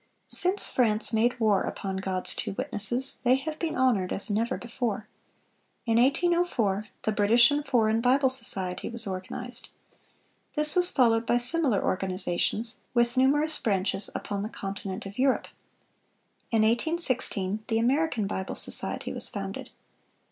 (425) Since France made war upon God's two witnesses, they have been honored as never before. In 1804 the British and Foreign Bible Society was organized. This was followed by similar organizations, with numerous branches, upon the continent of Europe. In 1816 the American Bible Society was founded.